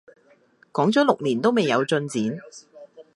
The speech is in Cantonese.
講咗六年都未有進展